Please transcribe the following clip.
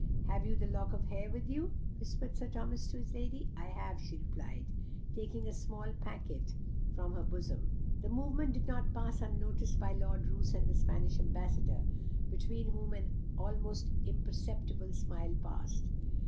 "Have you the lock of hair with you?" whispered Sir Thomas to his lady. "I have," she replied, taking a small packet from her bosom. The movement did not pass unnoticed by Lord Roos and the Spanish Ambassador, between whom an almost imperceptible smile passed.